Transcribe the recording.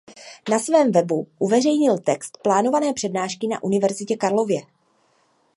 Na svém webu uveřejnil text plánované přednášky na Univerzitě Karlově.